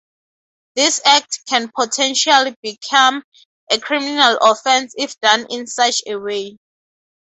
This act can potentially become a criminal offense if done in such a way.